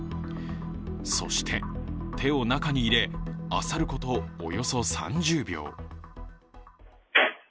そして、手を中に入れあさることおよそ３０秒。